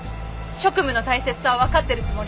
職務の大切さはわかってるつもりです！